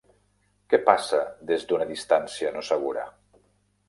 Què passa des d'una distància no segura?